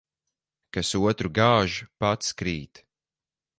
Kas otru gāž, pats krīt.